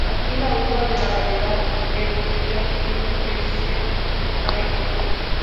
Aquí, la uva de la variedad gewürztraminer tiene especial arraigo.